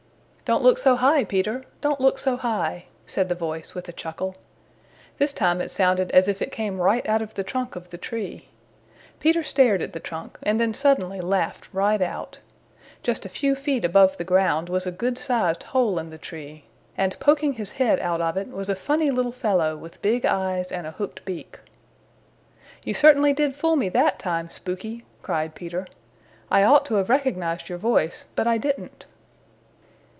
"Don't look so high, Peter; don't look so high," said the voice with a chuckle. This time it sounded as if it came right out of the trunk of the tree. Peter stared at the trunk and then suddenly laughed right out. Just a few feet above the ground was a good sized hole in the tree, and poking his head out of it was a funny little fellow with big eyes and a hooked beak. "You certainly did fool me that time, Spooky," cried Peter. "I ought to have recognized your voice, but I didn't."